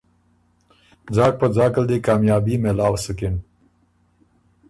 ځاک په ځاک ال دی کامیابی مېلاؤ سُکِن